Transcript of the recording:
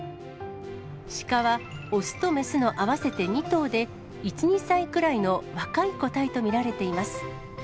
シカは雄と雌の合わせて２頭で、１、２歳くらいの若い個体と見られています。